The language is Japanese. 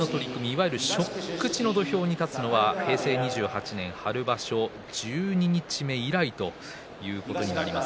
いわゆる初口の土俵に立つのは平成２８年春場所十二日目以来ということになります。